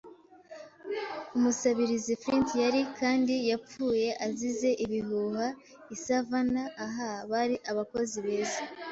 umusabirizi. Flint yari, kandi yapfuye azize ibihuha i Savannah. Ah, bari abakozi beza,